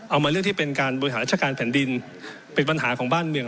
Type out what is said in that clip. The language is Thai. มาเรื่องที่เป็นการบริหารราชการแผ่นดินเป็นปัญหาของบ้านเมือง